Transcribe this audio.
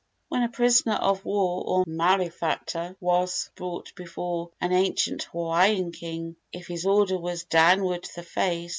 When a prisoner of war or malefactor was brought before an ancient Hawaiian king, if his order was "Downward the face!"